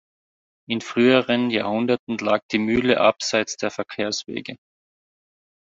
In früheren Jahrhunderten lag die Mühle abseits der Verkehrswege.